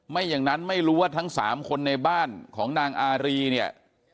ไม่อย่างนั้นไม่รู้ว่าทั้ง๓คนในบ้านของนางอารีเนี่ย